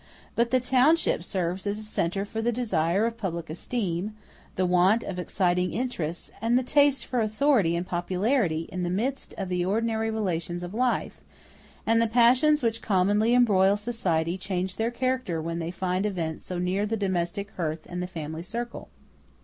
But the township serves as a centre for the desire of public esteem, the want of exciting interests, and the taste for authority and popularity, in the midst of the ordinary relations of life; and the passions which commonly embroil society change their character when they find a vent so near the domestic hearth and the family circle.